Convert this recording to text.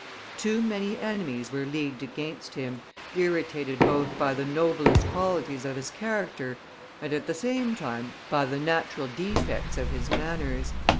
Too many enemies were leagued against him, irritated both by the noblest qualities of his character, and at the same time by the natural defects of his manners.